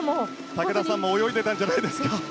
武田さんも泳いでいたんじゃないですか。